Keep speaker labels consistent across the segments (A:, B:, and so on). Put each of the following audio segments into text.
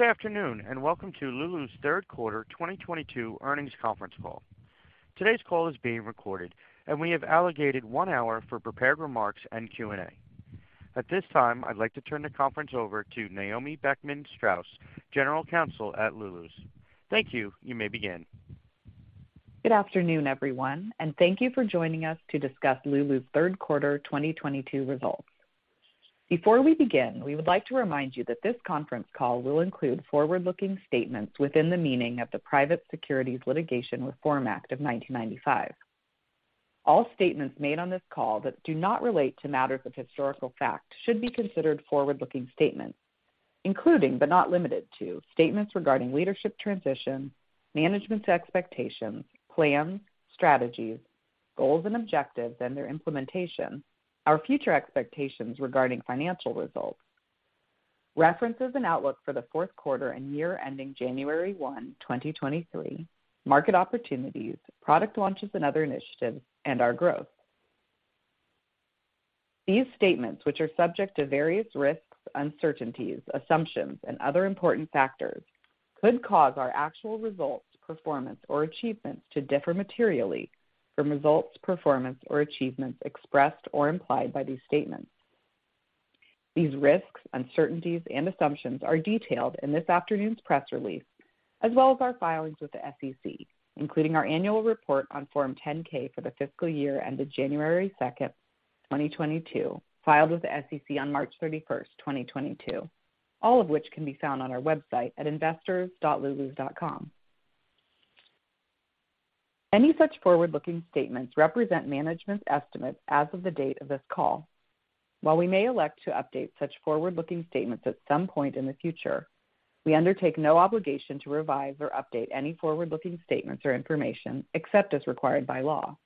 A: Good afternoon, and welcome to Lulu's third quarter 2022 earnings conference call. Today's call is being recorded, and we have allocated one hour for prepared remarks and Q&A. At this time, I'd like to turn the conference over to Naomi Beckman-Straus, General Counsel at Lulu's. Thank you. You may begin.
B: Good afternoon, everyone, and thank you for joining us to discuss Lulu's third quarter 2022 results. Before we begin, we would like to remind you that this conference call will include forward-looking statements within the meaning of the Private Securities Litigation Reform Act of 1995. All statements made on this call that do not relate to matters of historical fact should be considered forward-looking statements, including, but not limited to, statements regarding leadership transition, management's expectations, plans, strategies, goals and objectives and their implementation, our future expectations regarding financial results, references and outlook for the fourth quarter and year ending January 1, 2023, market opportunities, product launches and other initiatives, and our growth. These statements, which are subject to various risks, uncertainties, assumptions, and other important factors could cause our actual results, performance, or achievements to differ materially from results, performance, or achievements expressed or implied by these statements. These risks, uncertainties, and assumptions are detailed in this afternoon's press release, as well as our filings with the SEC, including our annual report on Form 10-K for the fiscal year ended January 2, 2022, filed with the SEC on March 31, 2022, all of which can be found on our website at investors.lulus.com. Any such forward-looking statements represent management's estimates as of the date of this call. While we may elect to update such forward-looking statements at some point in the future, we undertake no obligation to revise or update any forward-looking statements or information except as required by law.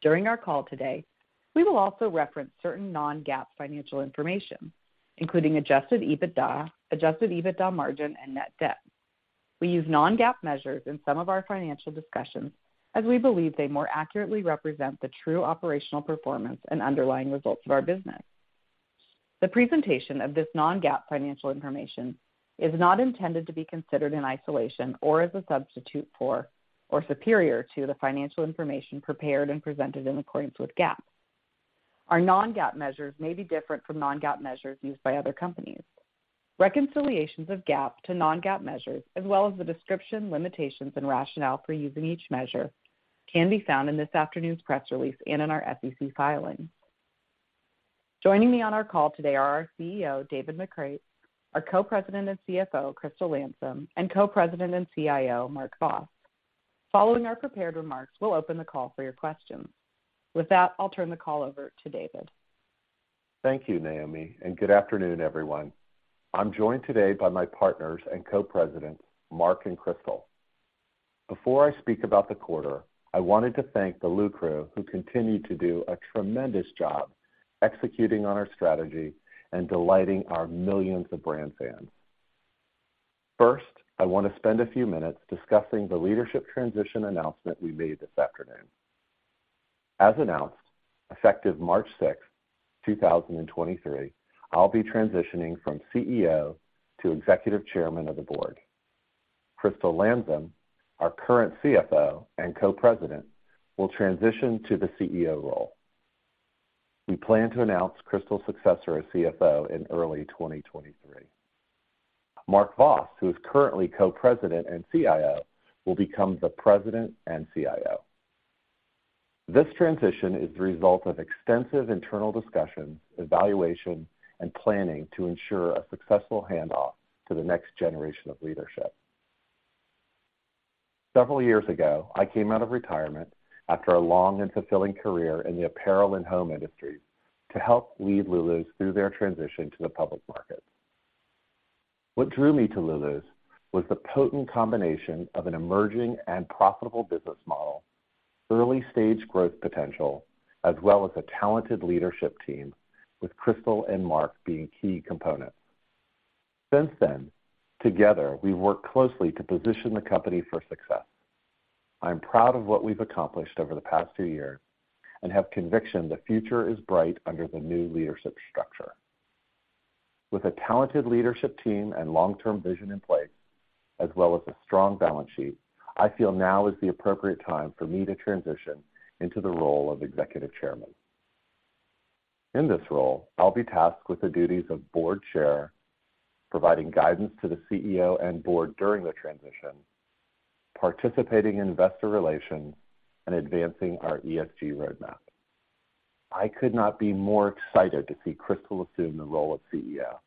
B: During our call today, we will also reference certain non-GAAP financial information, including adjusted EBITDA, adjusted EBITDA margin, and net debt. We use non-GAAP measures in some of our financial discussions as we believe they more accurately represent the true operational performance and underlying results of our business. The presentation of this non-GAAP financial information is not intended to be considered in isolation or as a substitute for, or superior to the financial information prepared and presented in accordance with GAAP. Our non-GAAP measures may be different from non-GAAP measures used by other companies. Reconciliations of GAAP to non-GAAP measures, as well as the description, limitations, and rationale for using each measure can be found in this afternoon's press release and in our SEC filings. Joining me on our call today are our CEO, David McCreight, our Co-President and CFO, Crystal Landsem, and Co-President and CIO, Mark Vos. Following our prepared remarks, we'll open the call for your questions. With that, I'll turn the call over to David.
C: Thank you, Naomi, and good afternoon, everyone. I'm joined today by my partners and Co-Presidents, Mark and Crystal. Before I speak about the quarter, I wanted to thank the LUCrew who continue to do a tremendous job executing on our strategy and delighting our millions of brand fans. First, I wanna spend a few minutes discussing the leadership transition announcement we made this afternoon. As announced, effective March sixth, 2023, I'll be transitioning from CEO to Executive Chairman of the Board. Crystal Landsem, our current CFO and Co-President, will transition to the CEO role. We plan to announce Crystal's successor as CFO in early 2023. Mark Vos, who is currently Co-President and CIO, will become the President and CIO. This transition is the result of extensive internal discussions, evaluation, and planning to ensure a successful handoff to the next generation of leadership. Several years ago, I came out of retirement after a long and fulfilling career in the apparel and home industry to help lead Lulu's through their transition to the public market. What drew me to Lulu's was the potent combination of an emerging and profitable business model, early-stage growth potential, as well as a talented leadership team, with Crystal and Mark being key components. Since then, together, we've worked closely to position the company for success. I'm proud of what we've accomplished over the past few years and have conviction the future is bright under the new leadership structure. With a talented leadership team and long-term vision in place, as well as a strong balance sheet, I feel now is the appropriate time for me to transition into the role of Executive Chairman. In this role, I'll be tasked with the duties of board chair, providing guidance to the CEO and board during the transition, participating in investor relations, and advancing our ESG roadmap. I could not be more excited to see Crystal assume the role of CEO.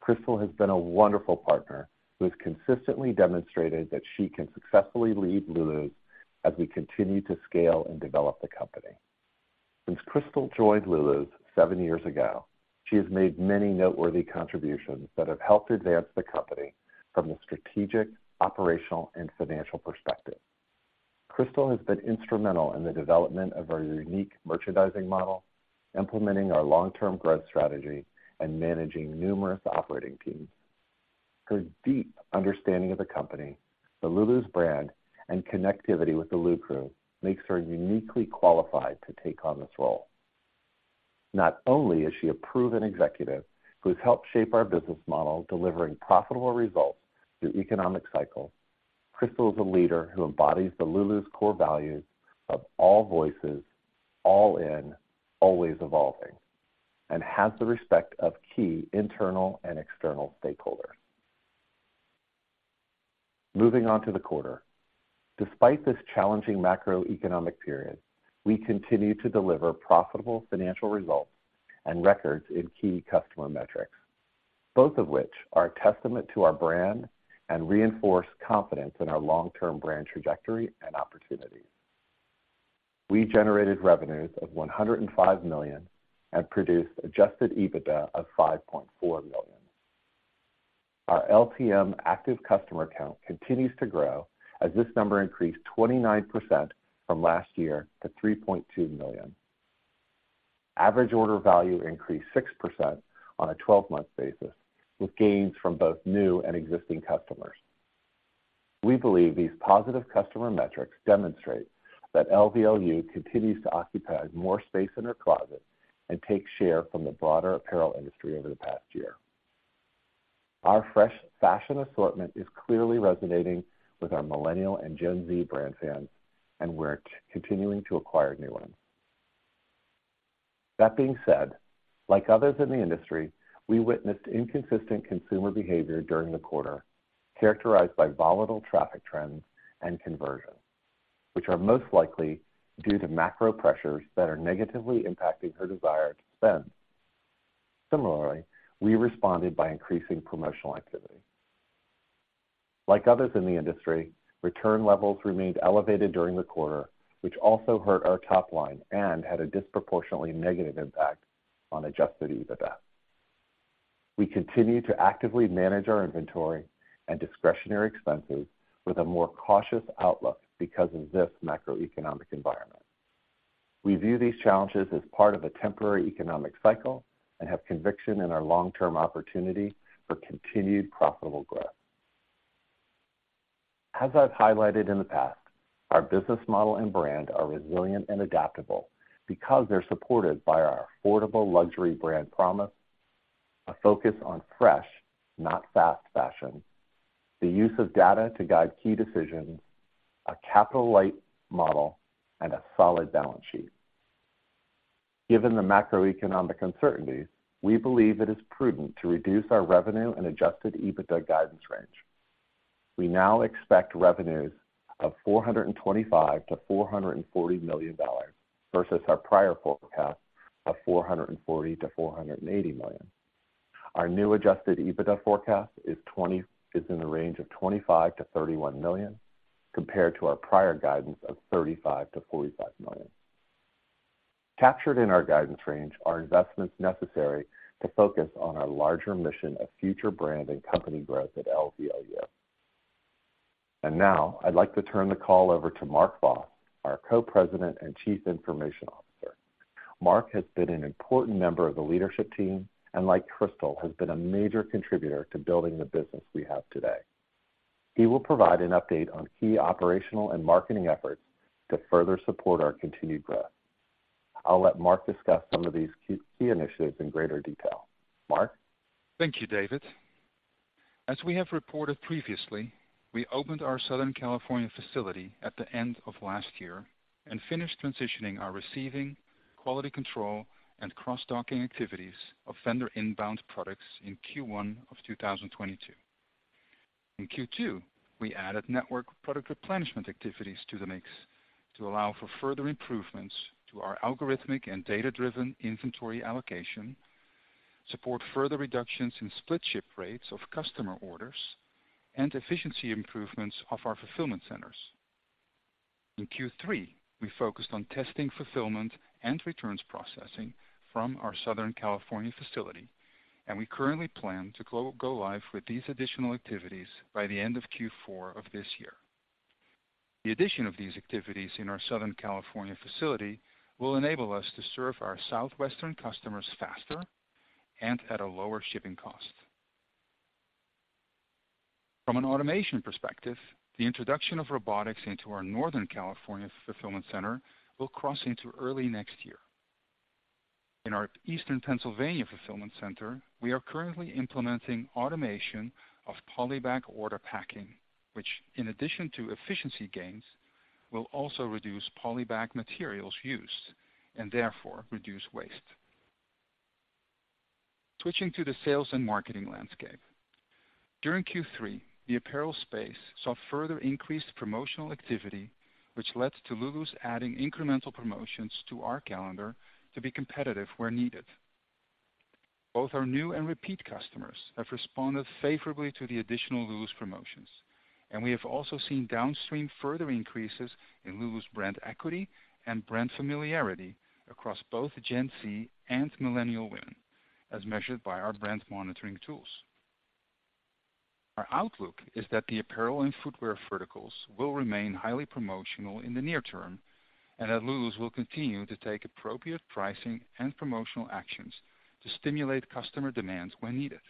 C: Crystal has been a wonderful partner who has consistently demonstrated that she can successfully lead Lulu's as we continue to scale and develop the company. Since Crystal joined Lulu's seven years ago, she has made many noteworthy contributions that have helped advance the company from a strategic, operational, and financial perspective. Crystal has been instrumental in the development of our unique merchandising model, implementing our long-term growth strategy, and managing numerous operating teams. Her deep understanding of the company, the Lulu's brand, and connectivity with the LuCrew makes her uniquely qualified to take on this role. Not only is she a proven executive who's helped shape our business model, delivering profitable results through economic cycles, Crystal is a leader who embodies the Lulu's core values of all voices, all in, always evolving, and has the respect of key internal and external stakeholders. Moving on to the quarter. Despite this challenging macroeconomic period, we continue to deliver profitable financial results and records in key customer metrics, both of which are a testament to our brand and reinforce confidence in our long-term brand trajectory and opportunities. We generated revenues of $105 million and produced adjusted EBITDA of $5.4 million. Our LTM active customer count continues to grow as this number increased 29% from last year to 3.2 million. Average order value increased 6% on a 12-month basis, with gains from both new and existing customers. We believe these positive customer metrics demonstrate that LVLU continues to occupy more space in her closet and take share from the broader apparel industry over the past year. Our fresh fashion assortment is clearly resonating with our Millennial and Gen Z brand fans, and we're continuing to acquire new ones. That being said, like others in the industry, we witnessed inconsistent consumer behavior during the quarter, characterized by volatile traffic trends and conversion, which are most likely due to macro pressures that are negatively impacting her desire to spend. Similarly, we responded by increasing promotional activity. Like others in the industry, return levels remained elevated during the quarter, which also hurt our top line and had a disproportionately negative impact on adjusted EBITDA. We continue to actively manage our inventory and discretionary expenses with a more cautious outlook because of this macroeconomic environment. We view these challenges as part of a temporary economic cycle and have conviction in our long-term opportunity for continued profitable growth. As I've highlighted in the past, our business model and brand are resilient and adaptable because they're supported by our affordable luxury brand promise, a focus on fresh, not fast fashion, the use of data to guide key decisions, a capital-light model, and a solid balance sheet. Given the macroeconomic uncertainties, we believe it is prudent to reduce our revenue and adjusted EBITDA guidance range. We now expect revenues of $425 million-$440 million versus our prior forecast of $440 million-$480 million. Our new adjusted EBITDA forecast is in the range of $25 million-$31 million, compared to our prior guidance of $35 million-$45 million. Captured in our guidance range are investments necessary to focus on our larger mission of future brand and company growth at LVLU. Now I'd like to turn the call over to Mark Vos, our Co-President and Chief Information Officer. Mark has been an important member of the leadership team, and like Crystal, has been a major contributor to building the business we have today. He will provide an update on key operational and marketing efforts to further support our continued growth. I'll let Mark discuss some of these key initiatives in greater detail. Mark?
D: Thank you, David. As we have reported previously, we opened our Southern California facility at the end of last year and finished transitioning our receiving, quality control, and cross-docking activities of vendor inbound products in Q1 of 2022. In Q2, we added network product replenishment activities to the mix to allow for further improvements to our algorithmic and data-driven inventory allocation, support further reductions in split ship rates of customer orders, and efficiency improvements of our fulfillment centers. In Q3, we focused on testing, fulfillment, and returns processing from our Southern California facility, and we currently plan to go live with these additional activities by the end of Q4 of this year. The addition of these activities in our Southern California facility will enable us to serve our Southwestern customers faster and at a lower shipping cost. From an automation perspective, the introduction of robotics into our Northern California fulfillment center will cross into early next year. In our Eastern Pennsylvania fulfillment center, we are currently implementing automation of poly bag order packing, which, in addition to efficiency gains, will also reduce poly bag materials used and therefore reduce waste. Switching to the sales and marketing landscape. During Q3, the apparel space saw further increased promotional activity, which led to Lulu's adding incremental promotions to our calendar to be competitive where needed. Both our new and repeat customers have responded favorably to the additional Lulu's promotions, and we have also seen downstream further increases in Lulu's brand equity and brand familiarity across both Gen Z and millennial women, as measured by our brand monitoring tools. Our outlook is that the apparel and footwear verticals will remain highly promotional in the near term, and that Lulu's will continue to take appropriate pricing and promotional actions to stimulate customer demand when needed.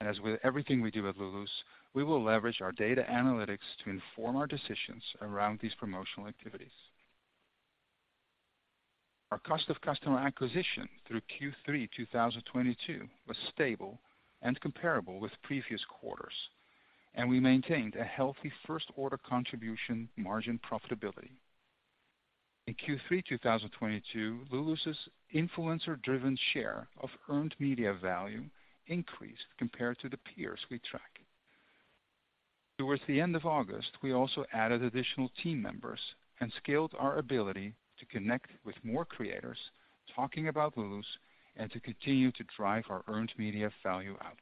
D: As with everything we do at Lulu's, we will leverage our data analytics to inform our decisions around these promotional activities. Our cost of customer acquisition through Q3 2022 was stable and comparable with previous quarters, and we maintained a healthy first order contribution margin profitability. In Q3 2022, Lulu's influencer-driven share of earned media value increased compared to the peers we track. Towards the end of August, we also added additional team members and scaled our ability to connect with more creators talking about Lulu's and to continue to drive our earned media value output.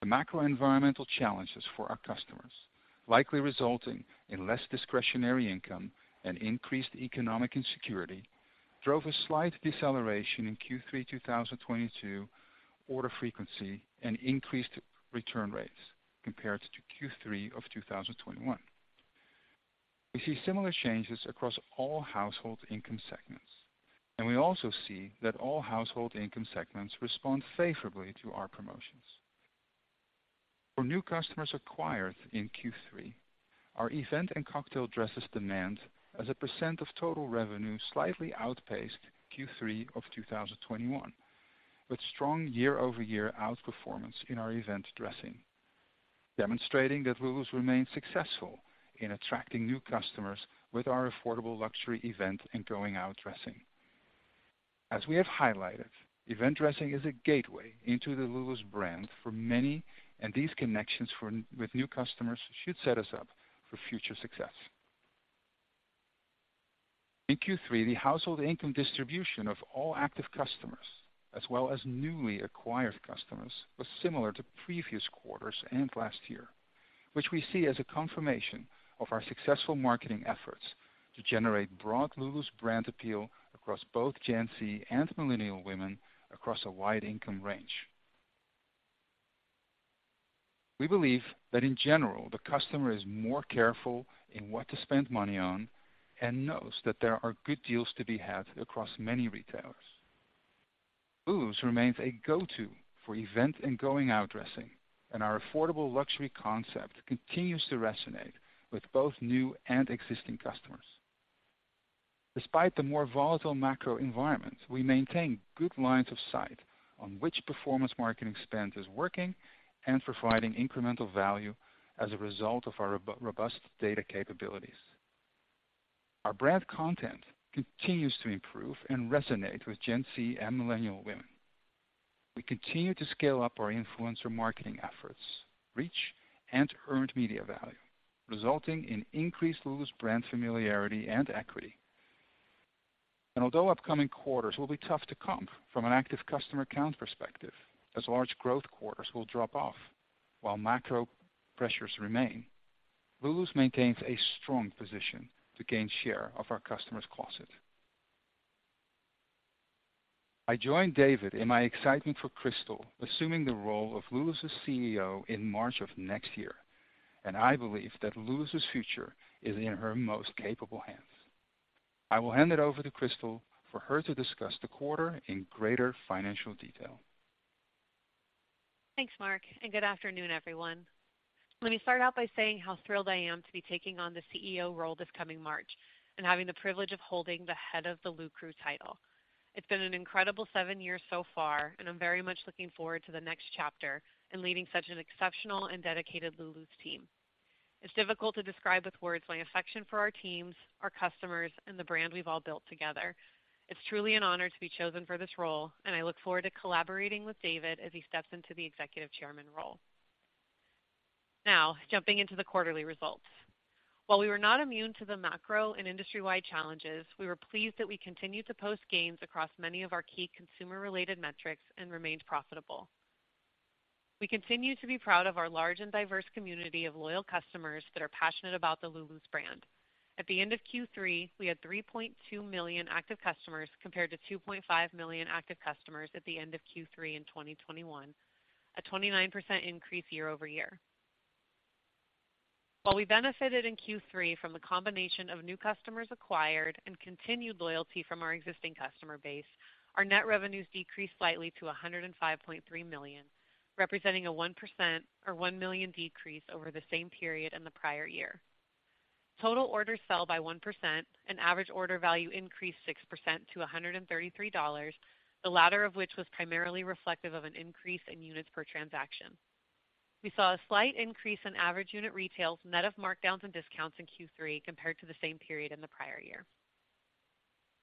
D: The macro-environmental challenges for our customers, likely resulting in less discretionary income and increased economic insecurity, drove a slight deceleration in Q3 2022 order frequency and increased return rates compared to Q3 2021. We see similar changes across all household income segments, and we also see that all household income segments respond favorably to our promotions. For new customers acquired in Q3, our event and cocktail dresses demand as a % of total revenue slightly outpaced Q3 2021, with strong year-over-year outperformance in our event dressing, demonstrating that Lulu's remains successful in attracting new customers with our affordable luxury event and going out dressing. As we have highlighted, event dressing is a gateway into the Lulu's brand for many, and these connections with new customers should set us up for future success. In Q3, the household income distribution of all active customers, as well as newly acquired customers, was similar to previous quarters and last year, which we see as a confirmation of our successful marketing efforts to generate broad Lulu's brand appeal across both Gen Z and millennial women across a wide income range. We believe that in general, the customer is more careful in what to spend money on and knows that there are good deals to be had across many retailers. Lulu's remains a go-to for event and going out dressing, and our affordable luxury concept continues to resonate with both new and existing customers. Despite the more volatile macro environment, we maintain good lines of sight on which performance marketing spend is working and providing incremental value as a result of our robust data capabilities. Our brand content continues to improve and resonate with Gen Z and millennial women. We continue to scale up our influencer marketing efforts, reach, and earned media value, resulting in increased Lulu's brand familiarity and equity. Although upcoming quarters will be tough to comp from an active customer count perspective, as large growth quarters will drop off while macro pressures remain, Lulu's maintains a strong position to gain share of our customers' closet. I join David in my excitement for Crystal assuming the role of Lulu's CEO in March of next year, and I believe that Lulu's future is in her most capable hands. I will hand it over to Crystal for her to discuss the quarter in greater financial detail.
E: Thanks, Mark, and good afternoon, everyone. Let me start out by saying how thrilled I am to be taking on the CEO role this coming March and having the privilege of holding the head of the LuCrew title. It's been an incredible seven years so far, and I'm very much looking forward to the next chapter in leading such an exceptional and dedicated Lulu's team. It's difficult to describe with words my affection for our teams, our customers, and the brand we've all built together. It's truly an honor to be chosen for this role, and I look forward to collaborating with David as he steps into the executive chairman role. Now, jumping into the quarterly results. While we were not immune to the macro and industry-wide challenges, we were pleased that we continued to post gains across many of our key consumer-related metrics and remained profitable. We continue to be proud of our large and diverse community of loyal customers that are passionate about the Lulu's brand. At the end of Q3, we had 3.2 million active customers, compared to 2.5 million active customers at the end of Q3 in 2021, a 29% increase year-over-year. While we benefited in Q3 from the combination of new customers acquired and continued loyalty from our existing customer base, our net revenues decreased slightly to $105.3 million, representing a 1% or $1 million decrease over the same period in the prior year. Total orders fell by 1%, and average order value increased 6% to $133, the latter of which was primarily reflective of an increase in units per transaction. We saw a slight increase in average unit retail, net of markdowns and discounts in Q3 compared to the same period in the prior year.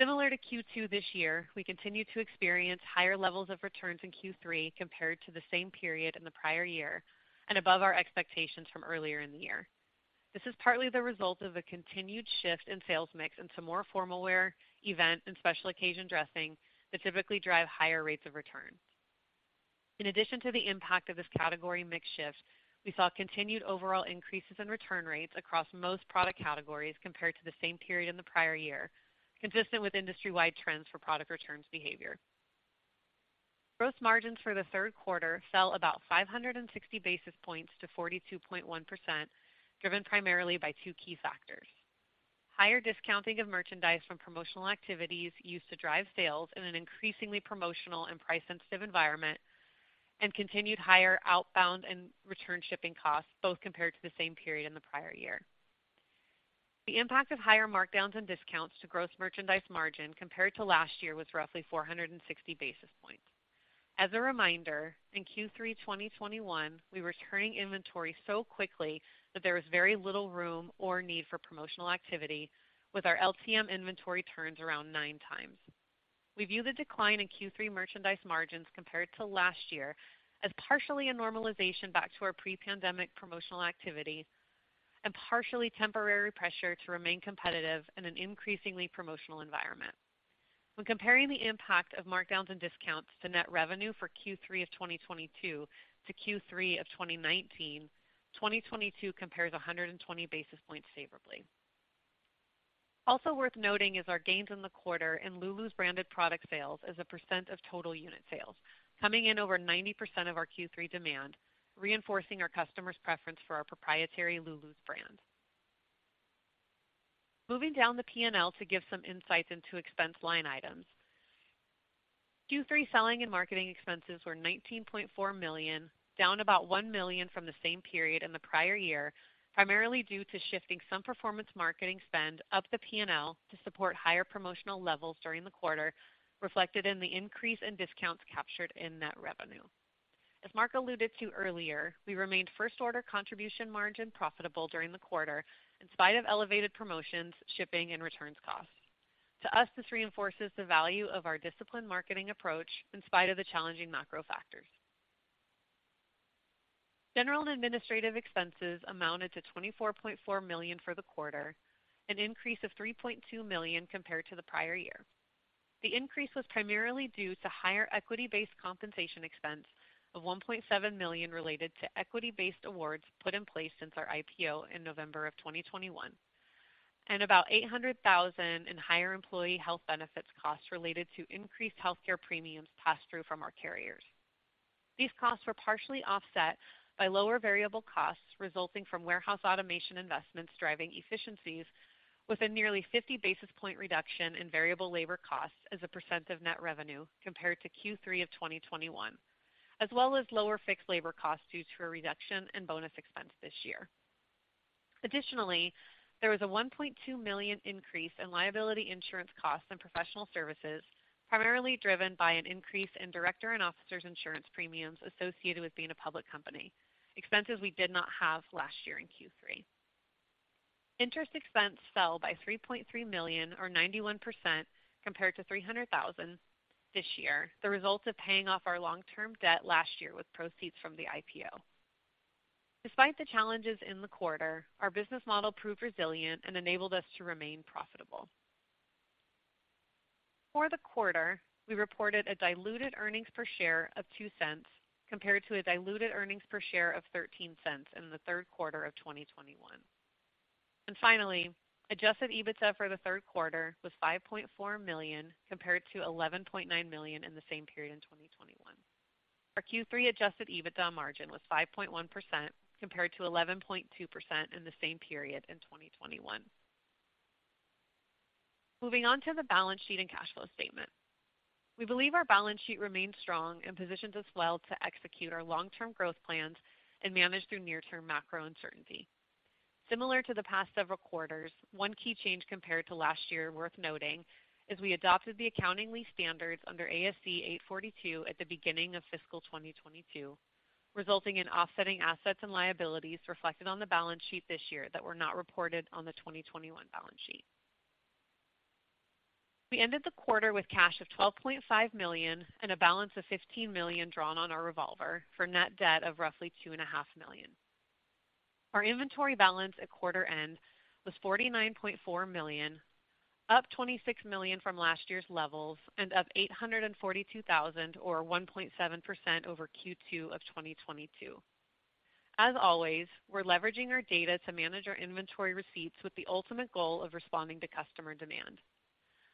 E: Similar to Q2 this year, we continued to experience higher levels of returns in Q3 compared to the same period in the prior year and above our expectations from earlier in the year. This is partly the result of a continued shift in sales mix into more formal wear, event, and special occasion dressing that typically drive higher rates of return. In addition to the impact of this category mix shift, we saw continued overall increases in return rates across most product categories compared to the same period in the prior year, consistent with industry-wide trends for product returns behavior. Gross margins for the third quarter fell about 560 basis points to 42.1%, driven primarily by two key factors. Higher discounting of merchandise from promotional activities used to drive sales in an increasingly promotional and price sensitive environment, and continued higher outbound and return shipping costs, both compared to the same period in the prior year. The impact of higher markdowns and discounts to gross merchandise margin compared to last year was roughly 460 basis points. As a reminder, in Q3 2021, we were turning inventory so quickly that there was very little room or need for promotional activity with our LTM inventory turns around 9 times. We view the decline in Q3 merchandise margins compared to last year as partially a normalization back to our pre-pandemic promotional activities and partially temporary pressure to remain competitive in an increasingly promotional environment. When comparing the impact of markdowns and discounts to net revenue for Q3 of 2022 to Q3 of 2019, 2022 compares 120 basis points favorably. Also worth noting is our gains in the quarter in Lulu's branded product sales as a percent of total unit sales, coming in over 90% of our Q3 demand, reinforcing our customers' preference for our proprietary Lulu's brand. Moving down the P&L to give some insights into expense line items. Q3 selling and marketing expenses were $19.4 million, down about $1 million from the same period in the prior year, primarily due to shifting some performance marketing spend up the P&L to support higher promotional levels during the quarter, reflected in the increase in discounts captured in net revenue. As Mark alluded to earlier, we remained first order contribution margin profitable during the quarter in spite of elevated promotions, shipping, and returns costs. To us, this reinforces the value of our disciplined marketing approach in spite of the challenging macro factors. General and administrative expenses amounted to $24.4 million for the quarter, an increase of $3.2 million compared to the prior year. The increase was primarily due to higher equity-based compensation expense of $1.7 million related to equity-based awards put in place since our IPO in November 2021, and about $800 thousand in higher employee health benefits costs related to increased healthcare premiums passed through from our carriers. These costs were partially offset by lower variable costs resulting from warehouse automation investments driving efficiencies with a nearly 50 basis point reduction in variable labor costs as a percent of net revenue compared to Q3 of 2021, as well as lower fixed labor costs due to a reduction in bonus expense this year. Additionally, there was a $1.2 million increase in liability insurance costs and professional services, primarily driven by an increase in director and officers insurance premiums associated with being a public company, expenses we did not have last year in Q3. Interest expense fell by $3.3 million or 91% compared to $300,000 this year, the result of paying off our long term debt last year with proceeds from the IPO. Despite the challenges in the quarter, our business model proved resilient and enabled us to remain profitable. For the quarter, we reported a diluted earnings per share of $0.02, compared to a diluted earnings per share of $0.13 in the third quarter of 2021. Finally, adjusted EBITDA for the third quarter was $5.4 million, compared to $11.9 million in the same period in 2021. Our Q3 adjusted EBITDA margin was 5.1% compared to 11.2% in the same period in 2021. Moving on to the balance sheet and cash flow statement. We believe our balance sheet remains strong and positions us well to execute our long term growth plans and manage through near-term macro uncertainty. Similar to the past several quarters, one key change compared to last year worth noting is we adopted the accounting lease standards under ASC 842 at the beginning of fiscal 2022, resulting in offsetting assets and liabilities reflected on the balance sheet this year that were not reported on the 2021 balance sheet. We ended the quarter with cash of $12.5 million and a balance of $15 million drawn on our revolver for net debt of roughly $2.5 million. Our inventory balance at quarter end was $49.4 million, up $26 million from last year's levels, and up $842,000 or 1.7% over Q2 of 2022. As always, we're leveraging our data to manage our inventory receipts with the ultimate goal of responding to customer demand.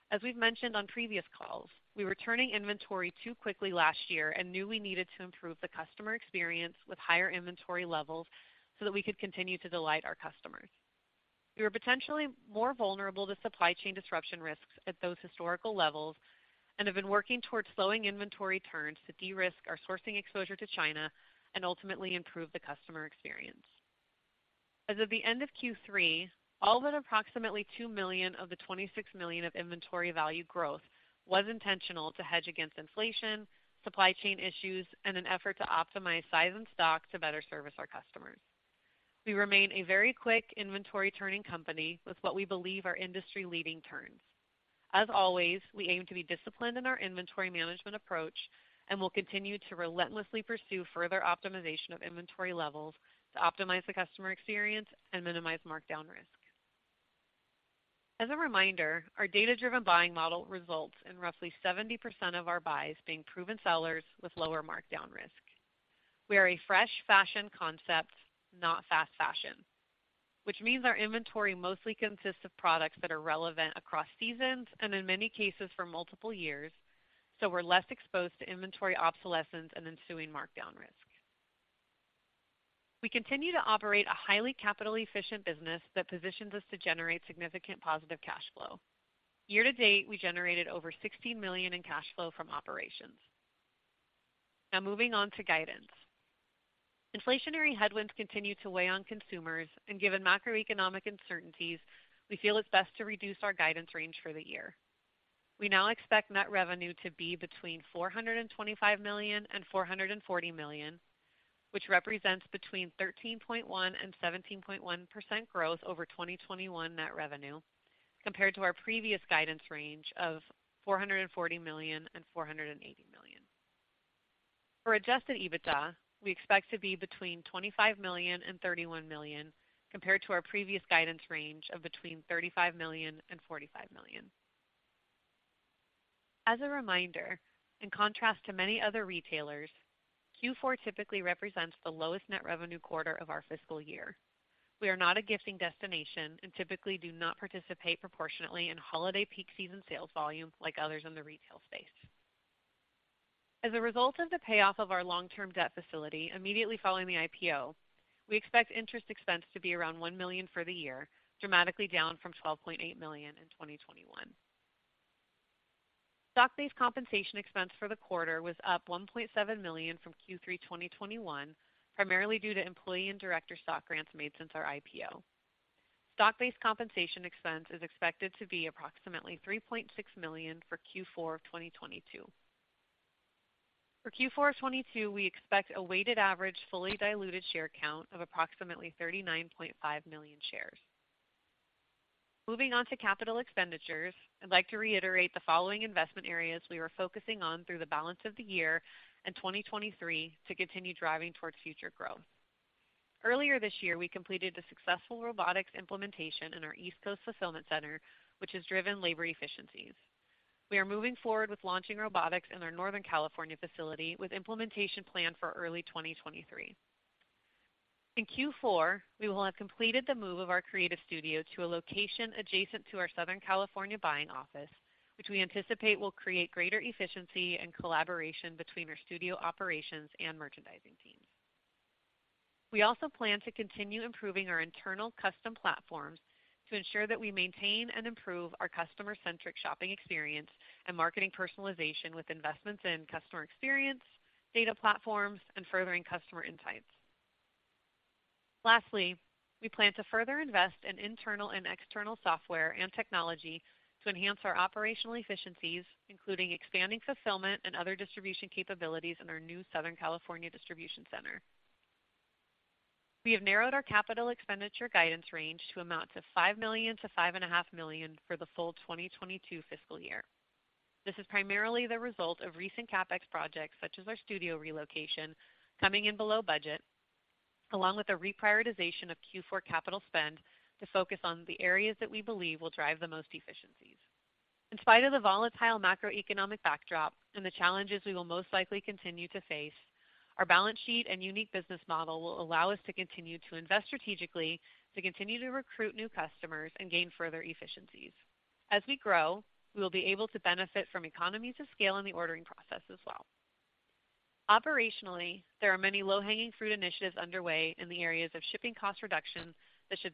E: As we've mentioned on previous calls, we were turning inventory too quickly last year and knew we needed to improve the customer experience with higher inventory levels so that we could continue to delight our customers. We were potentially more vulnerable to supply chain disruption risks at those historical levels, and have been working towards slowing inventory turns to de-risk our sourcing exposure to China and ultimately improve the customer experience. As of the end of Q3, all but approximately $2 million of the $26 million of inventory value growth was intentional to hedge against inflation, supply chain issues, and an effort to optimize size and stock to better service our customers. We remain a very quick inventory turning company with what we believe are industry-leading turns. As always, we aim to be disciplined in our inventory management approach, and will continue to relentlessly pursue further optimization of inventory levels to optimize the customer experience and minimize markdown risk. As a reminder, our data-driven buying model results in roughly 70% of our buys being proven sellers with lower markdown risk. We are a fresh fashion concept, not fast fashion, which means our inventory mostly consists of products that are relevant across seasons and in many cases for multiple years, so we're less exposed to inventory obsolescence and ensuing markdown risk. We continue to operate a highly capital efficient business that positions us to generate significant positive cash flow. Year to date, we generated over $60 million in cash flow from operations. Now moving on to guidance. Inflationary headwinds continue to weigh on consumers, and given macroeconomic uncertainties, we feel it's best to reduce our guidance range for the year. We now expect net revenue to be between $425 million and $440 million, which represents between 13.1% and 17.1% growth over 2021 net revenue, compared to our previous guidance range of $440 million and $480 million. For adjusted EBITDA, we expect to be between $25 million and $31 million, compared to our previous guidance range of between $35 million and $45 million. As a reminder, in contrast to many other retailers, Q4 typically represents the lowest net revenue quarter of our fiscal year. We are not a gifting destination and typically do not participate proportionately in holiday peak season sales volume like others in the retail space. As a result of the payoff of our long-term debt facility immediately following the IPO, we expect interest expense to be around $1 million for the year, dramatically down from $12.8 million in 2021. Stock-based compensation expense for the quarter was up $1.7 million from Q3 2021, primarily due to employee and director stock grants made since our IPO. Stock-based compensation expense is expected to be approximately $3.6 million for Q4 of 2022. For Q4 of 2022, we expect a weighted average fully diluted share count of approximately 39.5 million shares. Moving on to capital expenditures, I'd like to reiterate the following investment areas we are focusing on through the balance of the year and 2023 to continue driving towards future growth. Earlier this year, we completed a successful robotics implementation in our East Coast fulfillment center, which has driven labor efficiencies. We are moving forward with launching robotics in our Northern California facility, with implementation planned for early 2023. In Q4, we will have completed the move of our creative studio to a location adjacent to our Southern California buying office, which we anticipate will create greater efficiency and collaboration between our studio operations and merchandising teams. We also plan to continue improving our internal custom platforms to ensure that we maintain and improve our customer-centric shopping experience and marketing personalization with investments in customer experience, data platforms, and furthering customer insights. Lastly, we plan to further invest in internal and external software and technology to enhance our operational efficiencies, including expanding fulfillment and other distribution capabilities in our new Southern California distribution center. We have narrowed our capital expenditure guidance range to $5 million-$5.5 million for the full 2022 fiscal year. This is primarily the result of recent CapEx projects, such as our studio relocation, coming in below budget, along with a reprioritization of Q4 capital spend to focus on the areas that we believe will drive the most efficiencies. In spite of the volatile macroeconomic backdrop and the challenges we will most likely continue to face, our balance sheet and unique business model will allow us to continue to invest strategically, to continue to recruit new customers, and gain further efficiencies. As we grow, we will be able to benefit from economies of scale in the ordering process as well. Operationally, there are many low-hanging fruit initiatives underway in the areas of shipping cost reduction that should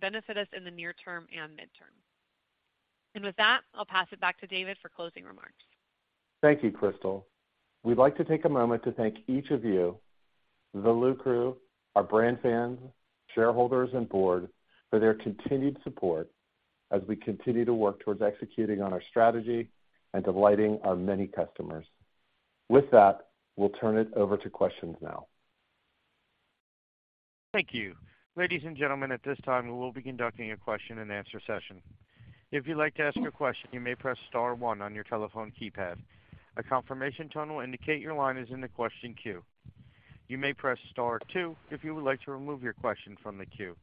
E: benefit us in the near term and midterm. With that, I'll pass it back to David for closing remarks.
C: Thank you, Crystal. We'd like to take a moment to thank each of you, the LuCrew, our brand fans, shareholders, and board for their continued support as we continue to work towards executing on our strategy and delighting our many customers. With that, we'll turn it over to questions now.
A: Thank you. Ladies and gentlemen, at this time, we will be conducting a question and answer session. If you'd like to ask a question, you may press star one on your telephone keypad. A confirmation tone will indicate your line is in the question queue. You may press star two if you would like to remove your question from the queue.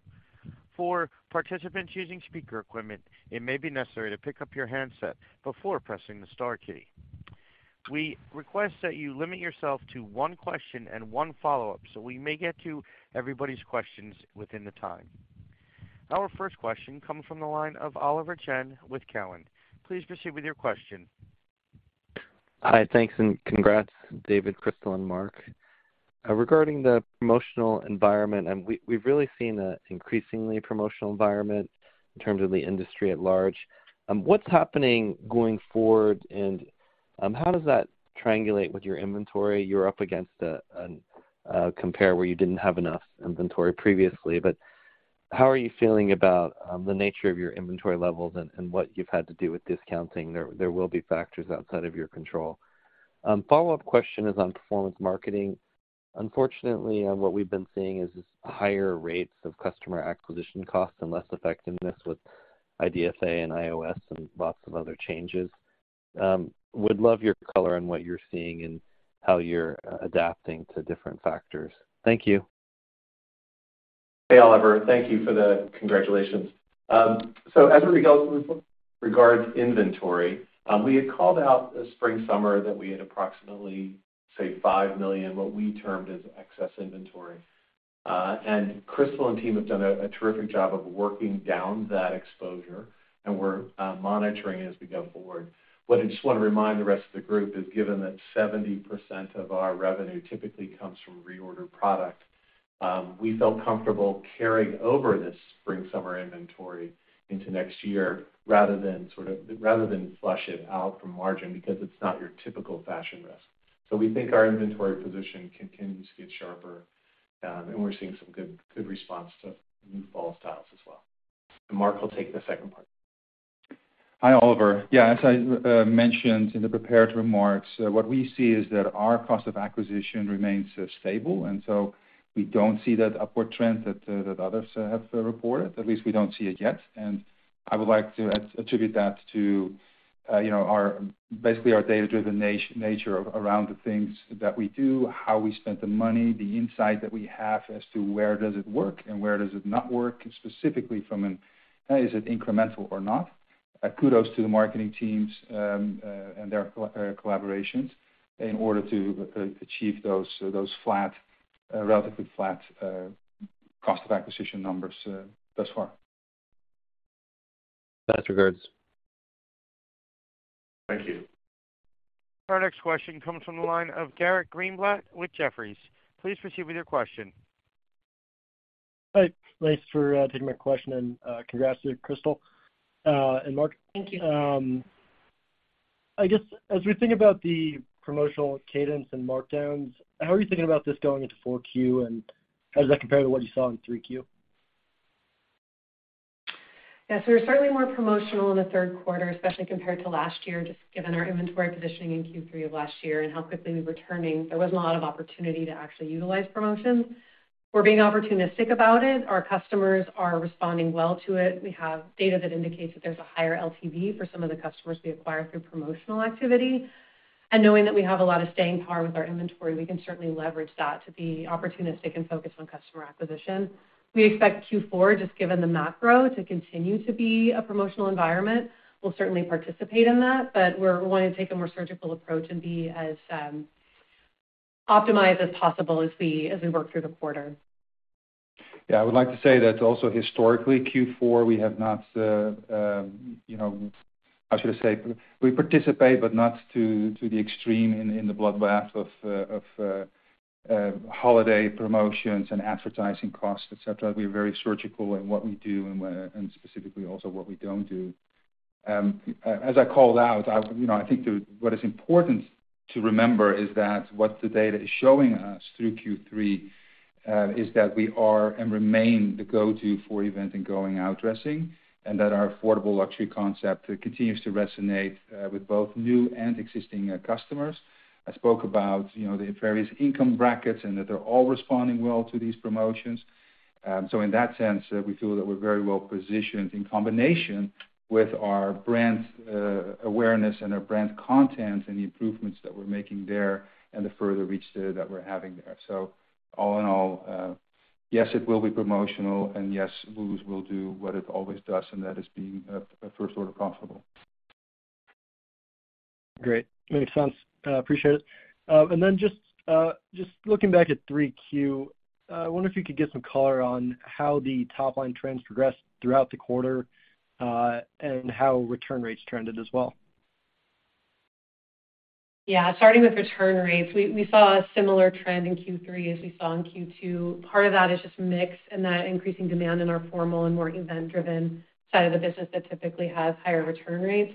A: For participants using speaker equipment, it may be necessary to pick up your handset before pressing the star key. We request that you limit yourself to one question and one follow-up, so we may get to everybody's questions within the time. Our first question comes from the line of Oliver Chen with Cowen. Please proceed with your question.
F: Hi, thanks, and congrats, David, Crystal, and Mark. Regarding the promotional environment, we've really seen an increasingly promotional environment in terms of the industry at large. What's happening going forward, and how does that triangulate with your inventory? You're up against an easier comp where you didn't have enough inventory previously, but how are you feeling about the nature of your inventory levels and what you've had to do with discounting? There will be factors outside of your control. Follow-up question is on performance marketing. Unfortunately, what we've been seeing is higher rates of customer acquisition costs and less effectiveness with IDFA and iOS and lots of other changes. Would love your color on what you're seeing and how you're adapting to different factors. Thank you.
C: Hey, Oliver. Thank you for the congratulations. As it regards inventory, we had called out this spring, summer that we had approximately, say, 5 million, what we termed as excess inventory. Crystal and team have done a terrific job of working down that exposure, and we're monitoring it as we go forward. What I just wanna remind the rest of the group is, given that 70% of our revenue typically comes from reorder product
E: We felt comfortable carrying over this spring, summer inventory into next year rather than flush it out from margin because it's not your typical fashion risk. We think our inventory position continues to get sharper, and we're seeing some good response to new fall styles as well. Mark will take the second part.
D: Hi, Oliver. Yeah. As I mentioned in the prepared remarks, what we see is that our cost of acquisition remains stable, and so we don't see that upward trend that others have reported. At least we don't see it yet. I would like to attribute that to, you know, our basically, our data-driven nature around the things that we do, how we spend the money, the insight that we have as to where does it work and where does it not work, specifically from an is it incremental or not. Kudos to the marketing teams and their collaborations in order to achieve those flat, relatively flat, cost of acquisition numbers thus far.
E: Thanks, regards.
D: Thank you.
A: Our next question comes from the line of Garrett Greenblatt with Jefferies. Please proceed with your question.
G: Hi. Thanks for taking my question, and congrats to Crystal and Mark.
E: Thank you.
G: I guess as we think about the promotional cadence and markdowns, how are you thinking about this going into 4Q and how does that compare to what you saw in 3Q?
E: Yes, we're certainly more promotional in the third quarter, especially compared to last year, just given our inventory positioning in Q3 of last year and how quickly we were turning. There wasn't a lot of opportunity to actually utilize promotions. We're being opportunistic about it. Our customers are responding well to it. We have data that indicates that there's a higher LTV for some of the customers we acquire through promotional activity. And knowing that we have a lot of staying power with our inventory, we can certainly leverage that to be opportunistic and focused on customer acquisition. We expect Q4, just given the macro, to continue to be a promotional environment. We'll certainly participate in that, but we're wanting to take a more surgical approach and be as optimized as possible as we work through the quarter.
D: Yeah, I would like to say that also historically, Q4, we have not, you know, how should I say? We participate, but not to the extreme in the bloodbath of holiday promotions and advertising costs, et cetera. We're very surgical in what we do and specifically also what we don't do. As I called out, you know, I think what is important to remember is that what the data is showing us through Q3 is that we are and remain the go-to for event and going out dressing, and that our affordable luxury concept continues to resonate with both new and existing customers. I spoke about, you know, the various income brackets and that they're all responding well to these promotions. In that sense, we feel that we're very well-positioned in combination with our brand awareness and our brand content and the improvements that we're making there and the further reach there that we're having there. All in all, yes, it will be promotional, and yes, Lulu's will do what it always does, and that is being a first order profitable.
G: Great. Makes sense. Appreciate it. Just looking back at Q3, I wonder if you could give some color on how the top-line trends progressed throughout the quarter, and how return rates trended as well.
E: Yeah. Starting with return rates, we saw a similar trend in Q3 as we saw in Q2. Part of that is just mix and that increasing demand in our formal and more event-driven side of the business that typically has higher return rates.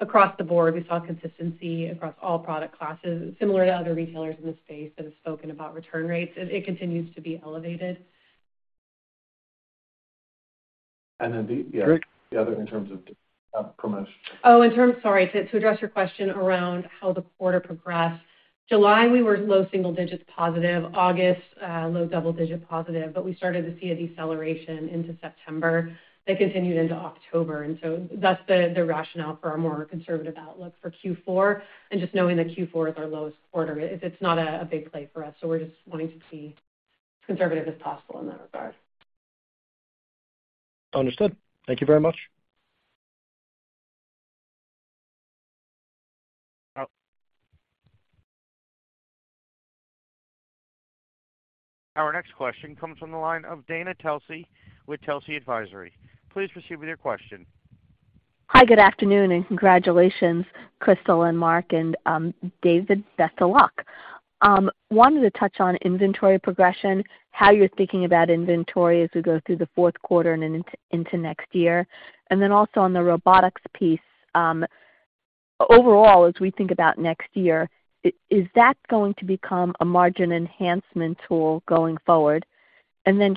E: Across the board, we saw consistency across all product classes, similar to other retailers in the space that have spoken about return rates. It continues to be elevated.
D: The other in terms of promotion.
E: Sorry. To address your question around how the quarter progressed. July, we were low single-digit positive. August, low double-digit positive. We started to see a deceleration into September that continued into October, and so that's the rationale for our more conservative outlook for Q4. Just knowing that Q4 is our lowest quarter, it's not a big play for us, so we're just wanting to be conservative as possible in that regard.
G: Understood. Thank you very much.
A: Our next question comes from the line of Dana Telsey with Telsey Advisory. Please proceed with your question.
H: Hi, good afternoon, and congratulations, Crystal and Mark, and, David, best of luck. Wanted to touch on inventory progression, how you're thinking about inventory as we go through the fourth quarter and into next year. On the robotics piece, overall, as we think about next year, is that going to become a margin enhancement tool going forward? With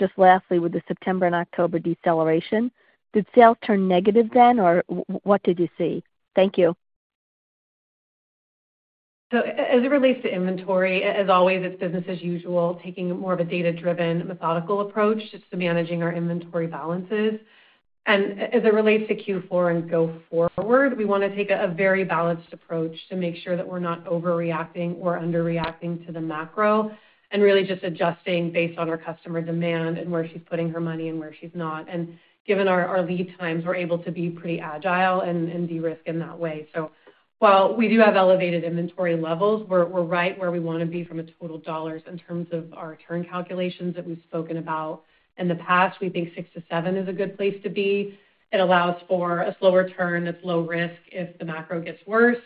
H: the September and October deceleration, did sales turn negative then, or what did you see? Thank you.
E: As it relates to inventory, as always, it's business as usual, taking more of a data-driven, methodical approach just to managing our inventory balances. As it relates to Q4 and go forward, we wanna take a very balanced approach to make sure that we're not overreacting or underreacting to the macro, and really just adjusting based on our customer demand and where she's putting her money and where she's not. Given our lead times, we're able to be pretty agile and de-risk in that way. While we do have elevated inventory levels, we're right where we wanna be from a total dollars in terms of our turn calculations that we've spoken about. In the past, we think 6-7 is a good place to be. It allows for a slower turn. It's low risk if the macro gets worse.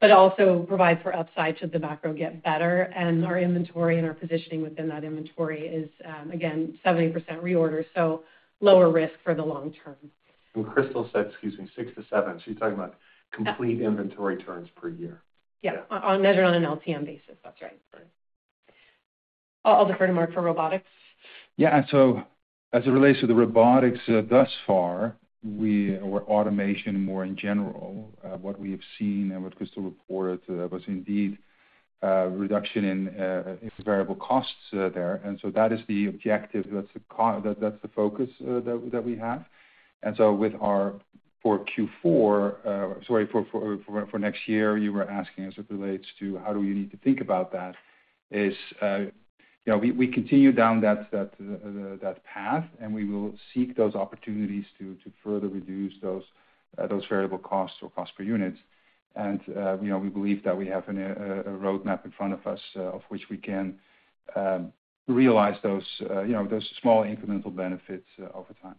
E: It also provides for upside should the macro get better. Our inventory and our positioning within that inventory is, again, 70% reorder, so lower risk for the long term.
C: Crystal said, excuse me, 6-7. She's talking about complete inventory turns per year.
E: Yeah. On an LTM basis. That's right. I'll defer to Mark for robotics.
D: Yeah. As it relates to the robotics thus far, or automation more in general, what we have seen and what Crystal reported was indeed, reduction in, variable costs there. That is the objective. That's the focus that we have. With our for next year, you were asking as it relates to how do we need to think about that is, we continue down that path, and we will seek those opportunities to further reduce those variable costs or cost per units. We believe that we have a roadmap in front of us, of which we can realize those small incremental benefits over time.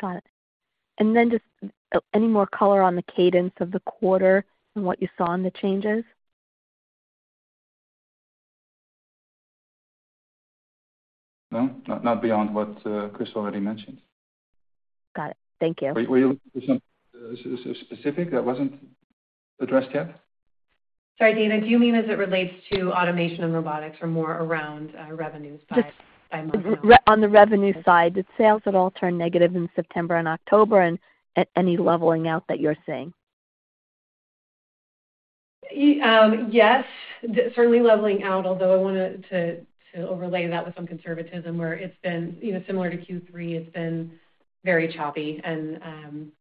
H: Got it. Just any more color on the cadence of the quarter and what you saw in the changes?
D: No, not beyond what Crystal already mentioned.
H: Got it. Thank you.
D: Were you looking for something specific that wasn't addressed yet?
E: Sorry, Dana, do you mean as it relates to automation and robotics or more around revenues by month?
H: Just on the revenue side, did sales at all turn negative in September and October? Any leveling out that you're seeing?
E: Yes, certainly leveling out, although I wanted to overlay that with some conservatism where it's been, you know, similar to Q3. It's been very choppy and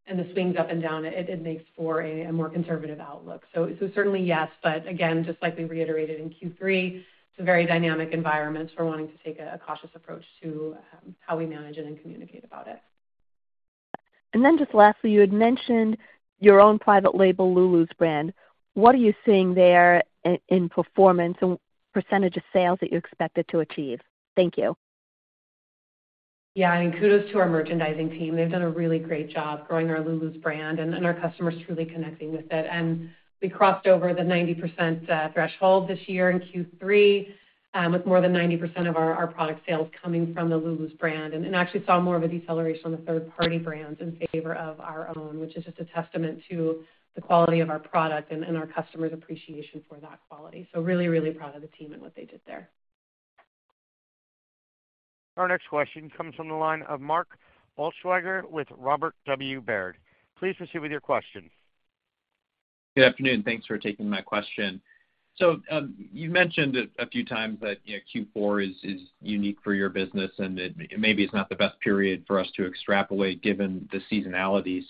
E: the swings up and down. It makes for a more conservative outlook. Certainly, yes. Again, just like we reiterated in Q3, it's a very dynamic environment, so we're wanting to take a cautious approach to how we manage it and communicate about it.
H: Just lastly, you had mentioned your own private label, Lulu's brand. What are you seeing there in performance and percentage of sales that you expected to achieve? Thank you.
E: Yeah. I mean, kudos to our merchandising team. They've done a really great job growing our Lulu's brand and our customers truly connecting with it. We crossed over the 90% threshold this year in Q3 with more than 90% of our product sales coming from the Lulu's brand. We actually saw more of a deceleration on the third-party brands in favor of our own, which is just a testament to the quality of our product and our customers' appreciation for that quality. Really proud of the team and what they did there.
A: Our next question comes from the line of Mark Altschwager with Robert W. Baird. Please proceed with your question.
I: Good afternoon. Thanks for taking my question. You mentioned a few times that, you know, Q4 is unique for your business, and maybe it's not the best period for us to extrapolate given the seasonality.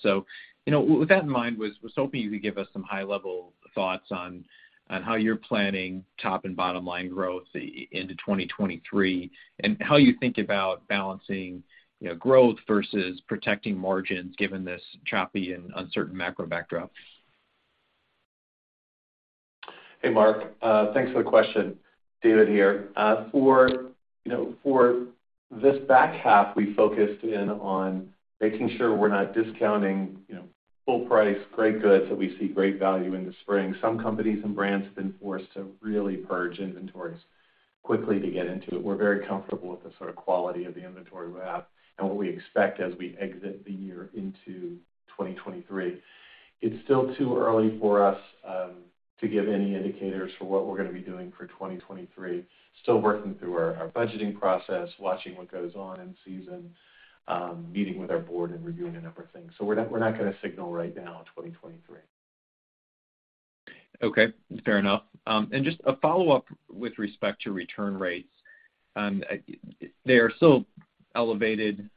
I: You know, with that in mind, was hoping you could give us some high-level thoughts on how you're planning top and bottom line growth into 2023, and how you think about balancing, you know, growth versus protecting margins given this choppy and uncertain macro backdrop.
C: Hey, Mark. Thanks for the question. David here. You know, for this back half, we focused in on making sure we're not discounting, you know, full price, great goods that we see great value in the spring. Some companies and brands have been forced to really purge inventories quickly to get into it. We're very comfortable with the sort of quality of the inventory we have and what we expect as we exit the year into 2023. It's still too early for us to give any indicators for what we're gonna be doing for 2023. Still working through our budgeting process, watching what goes on in season, meeting with our board and reviewing a number of things. We're not gonna signal right now 2023.
I: Okay. Fair enough. Just a follow-up with respect to return rates. They are still elevated,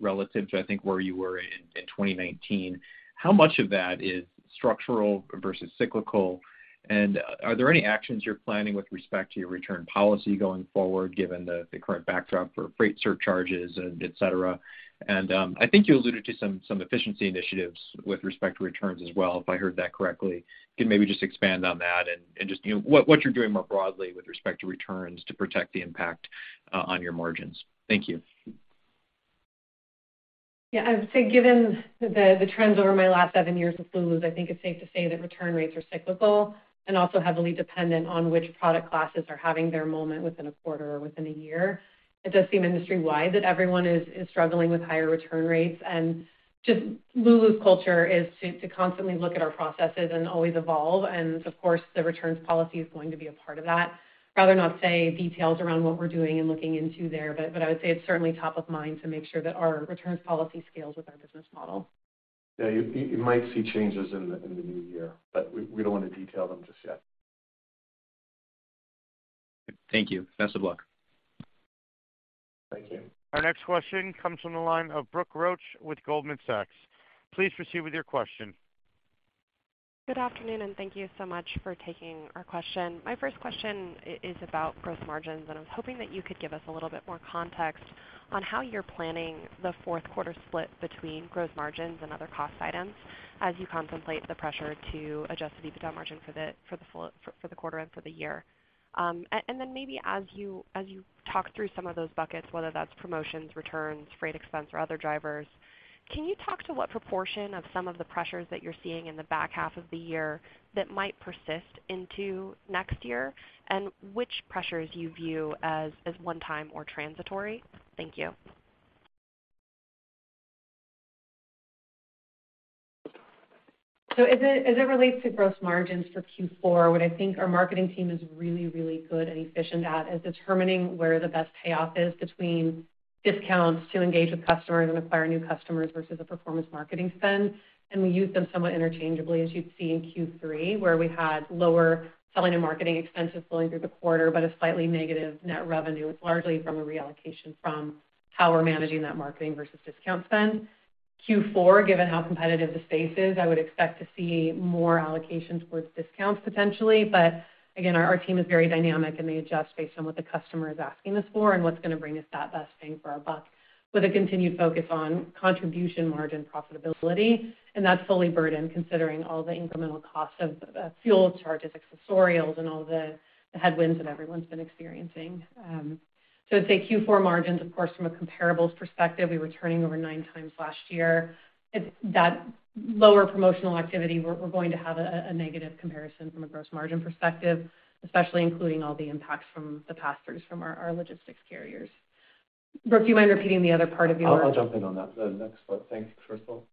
I: relative to, I think, where you were in 2019. How much of that is structural versus cyclical? Are there any actions you're planning with respect to your return policy going forward, given the current backdrop for freight surcharges and et cetera? I think you alluded to some efficiency initiatives with respect to returns as well, if I heard that correctly. Can maybe just expand on that and just, you know, what you're doing more broadly with respect to returns to protect the impact on your margins. Thank you.
E: Yeah. I would say, given the trends over my last seven years with Lulu's, I think it's safe to say that return rates are cyclical and also heavily dependent on which product classes are having their moment within a quarter or within a year. It does seem industry-wide that everyone is struggling with higher return rates. Just Lulu's culture is to constantly look at our processes and always evolve. Of course, the returns policy is going to be a part of that. Rather not say details around what we're doing and looking into there, but I would say it's certainly top of mind to make sure that our returns policy scales with our business model.
C: Yeah. You might see changes in the new year, but we don't wanna detail them just yet.
I: Thank you. Best of luck.
C: Thank you.
A: Our next question comes from the line of Brooke Roach with Goldman Sachs. Please proceed with your question.
J: Good afternoon, and thank you so much for taking our question. My first question is about gross margins, and I was hoping that you could give us a little bit more context on how you're planning the fourth quarter split between gross margins and other cost items as you contemplate the pressure to adjust the EBITDA margin for the quarter and for the year. Maybe as you talk through some of those buckets, whether that's promotions, returns, freight expense or other drivers, can you talk to what proportion of some of the pressures that you're seeing in the back half of the year that might persist into next year, and which pressures you view as one-time or transitory? Thank you.
E: As it relates to gross margins for Q4, what I think our marketing team is really, really good and efficient at is determining where the best payoff is between discounts to engage with customers and acquire new customers versus a performance marketing spend. We use them somewhat interchangeably, as you'd see in Q3, where we had lower selling and marketing expenses flowing through the quarter, but a slightly negative net revenue, largely from a reallocation from how we're managing that marketing versus discount spend. Q4, given how competitive the space is, I would expect to see more allocations towards discounts potentially, but again, our team is very dynamic, and they adjust based on what the customer is asking us for and what's gonna bring us that best bang for our buck with a continued focus on contribution margin profitability. That's fully burdened, considering all the incremental costs of fuel charges, accessorials, and all the headwinds that everyone's been experiencing. I'd say Q4 margins, of course, from a comparables perspective, we were turning over 9 times last year. That lower promotional activity, we're going to have a negative comparison from a gross margin perspective, especially including all the impacts from the pass-throughs from our logistics carriers. Brooke, do you mind repeating the other part of your-
C: I'll jump in on that, the next part. Thanks, Crystal.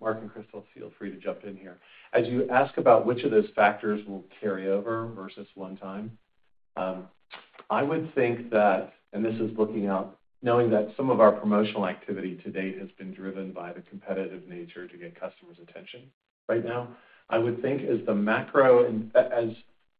C: Mark and Crystal, feel free to jump in here. As you ask about which of those factors will carry over versus one time, I would think that, and this is looking out, knowing that some of our promotional activity to date has been driven by the competitive nature to get customers' attention right now. I would think as the macro and as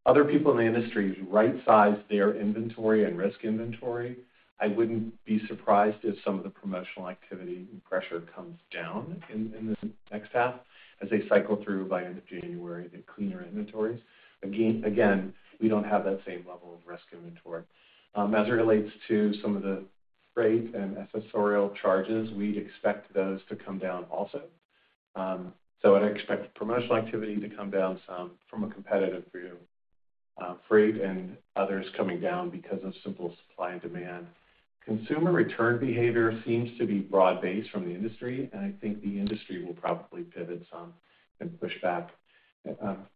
C: other people in the industry right-size their inventory and risk inventory, I wouldn't be surprised if some of the promotional activity and pressure comes down in this next half as they cycle through by end of January, they clean their inventories. Again, we don't have that same level of risk inventory. As it relates to some of the freight and accessorial charges, we'd expect those to come down also. I'd expect promotional activity to come down some from a competitive view, freight and others coming down because of simple supply and demand. Consumer return behavior seems to be broad-based from the industry, and I think the industry will probably pivot some and push back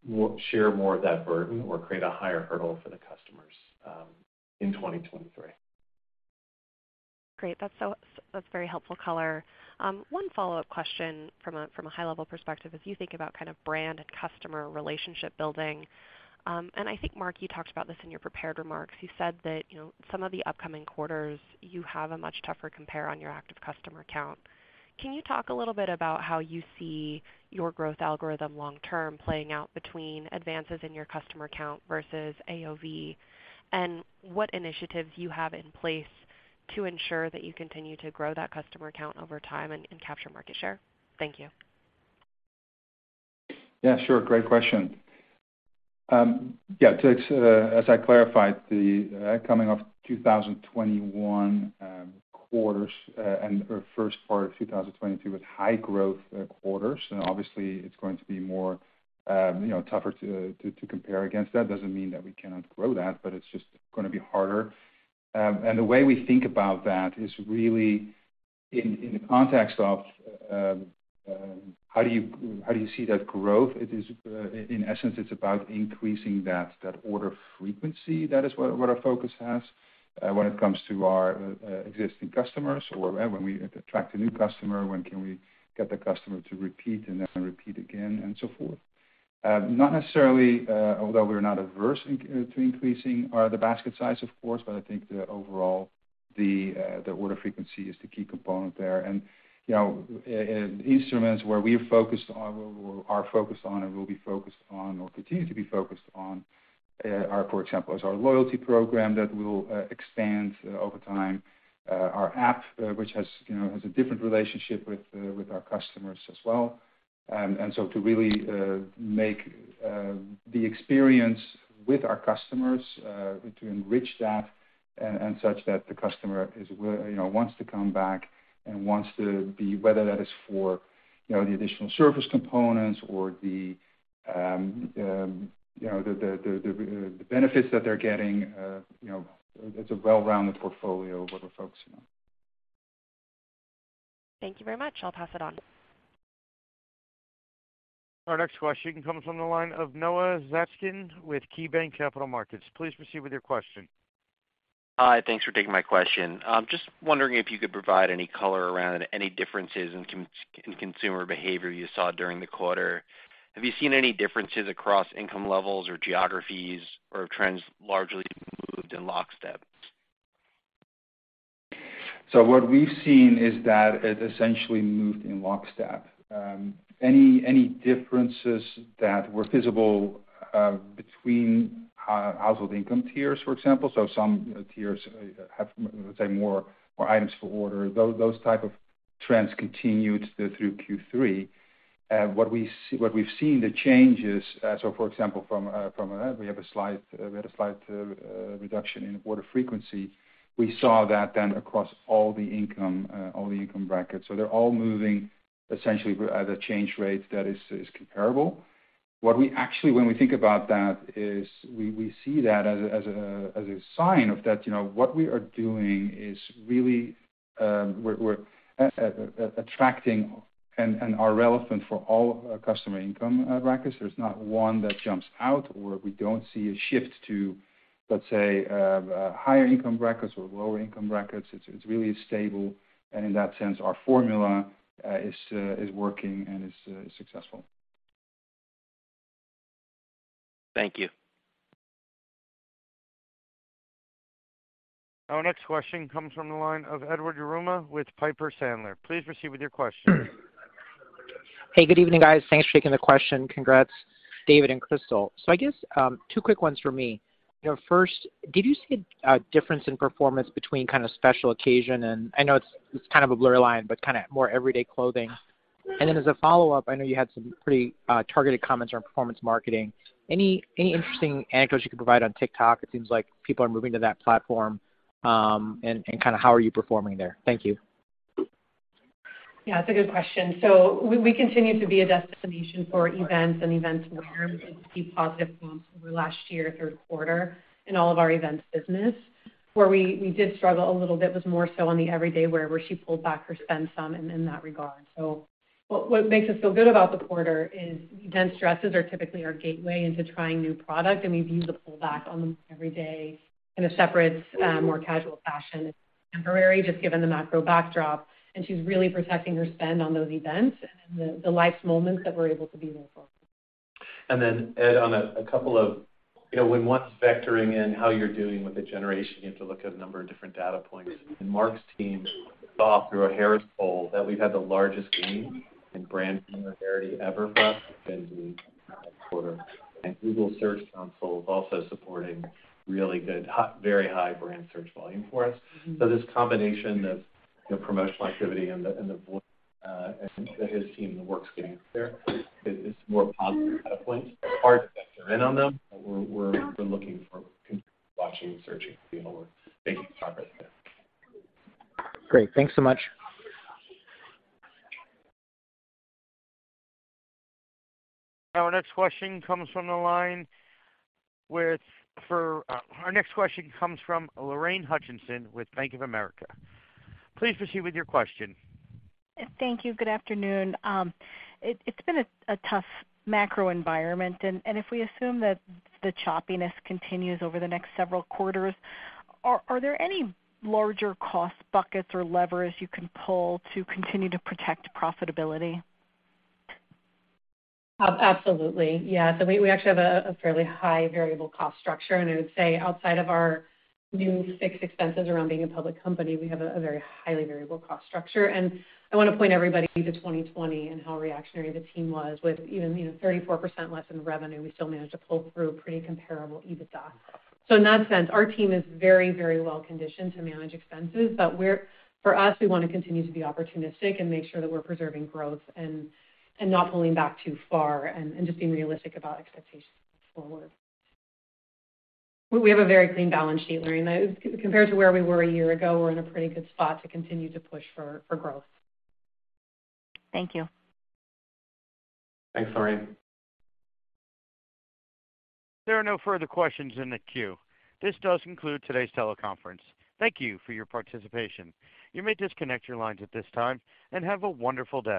C: more, share more of that burden or create a higher hurdle for the customers, in 2023.
J: Great. That's very helpful color. One follow-up question from a high-level perspective, as you think about kind of brand and customer relationship building, and I think, Mark, you talked about this in your prepared remarks. You said that, you know, some of the upcoming quarters, you have a much tougher compare on your active customer count. Can you talk a little bit about how you see your growth algorithm long term playing out between advances in your customer count versus AOV, and what initiatives you have in place to ensure that you continue to grow that customer count over time and capture market share? Thank you.
D: Yeah, sure. Great question. Yeah, to expand, as I clarified, coming off 2021 quarters and/or first part of 2022 with high growth quarters, and obviously it's going to be more, you know, tougher to compare against that. Doesn't mean that we cannot grow that, but it's just gonna be harder. The way we think about that is really in the context of how do you see that growth? It is in essence, it's about increasing that order frequency. That is what our focus has when it comes to our existing customers or when we attract a new customer, when can we get the customer to repeat and then repeat again and so forth. Not necessarily, although we're not averse to increasing the basket size, of course, but I think the overall the order frequency is the key component there. You know, instruments where we are focused on or are focused on and will be focused on or continue to be focused on are, for example, our loyalty program that we'll expand over time. Our app, which has, you know, a different relationship with our customers as well. To really make the experience with our customers, to enrich that and such that the customer is, you know, wants to come back and wants to be, whether that is for, you know, the additional service components or the, you know, the benefits that they're getting. You know, it's a well-rounded portfolio, what we're focusing on.
J: Thank you very much. I'll pass it on.
A: Our next question comes on the line of Noah Zatzkin with KeyBanc Capital Markets. Please proceed with your question.
K: Hi. Thanks for taking my question. Just wondering if you could provide any color around any differences in consumer behavior you saw during the quarter. Have you seen any differences across income levels or geographies, or have trends largely moved in lockstep?
D: What we've seen is that it essentially moved in lockstep. Any differences that were visible between household income tiers, for example, some tiers have, let's say, more items per order, those type of trends continued through Q3. What we've seen, the changes, so for example, we had a slight reduction in order frequency. We saw that across all the income brackets. They're all moving essentially at a change rate that is comparable. What we actually, when we think about that, is we see that as a sign of that, you know, what we are doing is really, we're attracting and are relevant for all our customer income brackets. There's not one that jumps out where we don't see a shift to, let's say, higher income brackets or lower income brackets. It's really stable, and in that sense, our formula is working and is successful.
A: Thank you. Our next question comes from the line of Edward Yruma with Piper Sandler. Please proceed with your question.
L: Hey, good evening, guys. Thanks for taking the question. Congrats, David and Crystal. I guess, two quick ones for me. You know, first, did you see a difference in performance between kinda special occasion and I know it's kind of a blurry line, but kinda more everyday clothing. Then as a follow-up, I know you had some pretty targeted comments around performance marketing. Any interesting anecdotes you could provide on TikTok? It seems like people are moving to that platform, and kinda how are you performing there? Thank you.
E: Yeah, it's a good question. We continue to be a destination for events and events wear. We've seen positive comps over last year, third quarter in all of our events business. Where we did struggle a little bit was more so on the everyday wear, where she pulled back her spend some in that regard. What makes us feel good about the quarter is event dresses are typically our gateway into trying new product, and we've used the pullback on the everyday in a separate, more casual fashion. It's temporary, just given the macro backdrop, and she's really protecting her spend on those events and the life's moments that we're able to be there for.
C: Ed, you know, when one's vectoring in how you're doing with the Gen Z, you have to look at a number of different data points. Mark's team saw through a Harris Poll that we've had the largest gain in brand familiarity ever for us within the quarter. Google Search Console is also supporting really good, very high brand search volume for us. This combination of, you know, promotional activity and the, and the voice, and his team, the work's getting there. It is more positive data points. It's hard to factor in on them, but we're looking for people watching, searching, being aware. Thank you.
L: Great. Thanks so much.
A: Our next question comes from Lorraine Hutchinson with Bank of America. Please proceed with your question.
M: Thank you. Good afternoon. It's been a tough macro environment. If we assume that the choppiness continues over the next several quarters, are there any larger cost buckets or levers you can pull to continue to protect profitability?
E: Absolutely. Yeah. We actually have a fairly high variable cost structure. I would say outside of our new fixed expenses around being a public company, we have a very highly variable cost structure. I wanna point everybody to 2020 and how reactionary the team was with even, you know, 34% less in revenue, we still managed to pull through pretty comparable EBITDA. In that sense, our team is very, very well-conditioned to manage expenses. We're for us, we wanna continue to be opportunistic and make sure that we're preserving growth and not pulling back too far and just being realistic about expectations going forward. We have a very clean balance sheet, Lorraine. Compared to where we were a year ago, we're in a pretty good spot to continue to push for growth.
N: Thank you.
C: Thanks, Lorraine.
A: There are no further questions in the queue. This does conclude today's teleconference. Thank you for your participation. You may disconnect your lines at this time, and have a wonderful day.